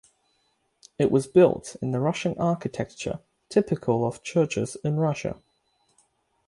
It was built in the Russian architecture typical of churches in Russia.